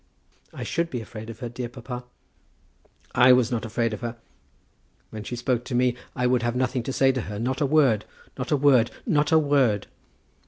"I should be afraid of her, dear papa." "I was not afraid of her. When she spoke to me, I would have nothing to say to her; not a word; not a word; not a word."